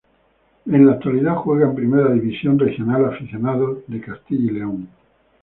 En la actualidad juega en Primera División Regional Aficionados de Castilla y León.